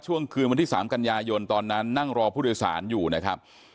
คืนวันที่๓กันยายนตอนนั้นนั่งรอผู้โดยสารอยู่นะครับ